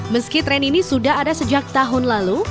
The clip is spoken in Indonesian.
meski tren ini sudah ada sejak tahun lalu